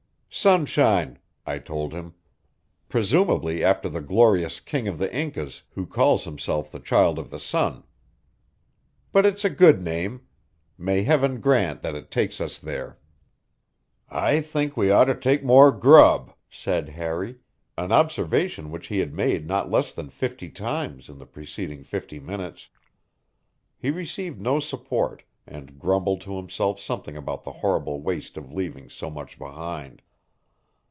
"Sunshine," I told him. "Presumably after the glorious King of the Incas, who calls himself the Child of the Sun. But it's a good name. May Heaven grant that it takes us there!" "I think we ought to take more grub," said Harry an observation which he had made not less than fifty times in the preceding fifty minutes. He received no support and grumbled to himself something about the horrible waste of leaving so much behind.